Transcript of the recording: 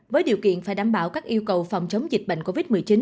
với điều kiện phải đảm bảo các yêu cầu phòng chống dịch bệnh covid một mươi chín